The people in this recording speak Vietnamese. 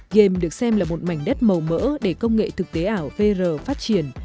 game được xem là một mảnh đất màu mỡ để công nghệ thực tế ảo vr phát triển